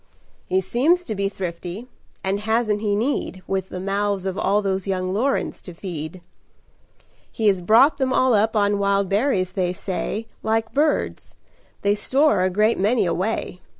"He seems to be thrifty; and hasn't he need, With the mouths of all those young Lorens to feed? He has brought them all up on wild berries, they say, Like birds. They store a great many away.